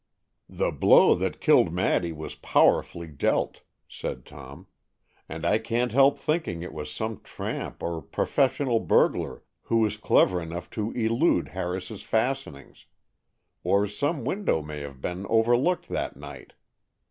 "The blow that killed Maddy was powerfully dealt," said Tom; "and I can't help thinking it was some tramp or professional burglar who was clever enough to elude Harris's fastenings. Or some window may have been overlooked that night.